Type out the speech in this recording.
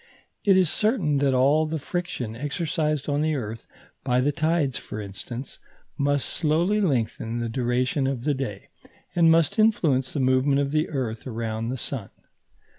It is certain that all the friction exercised on the earth by the tides, for instance must slowly lengthen the duration of the day, and must influence the movement of the earth round the sun.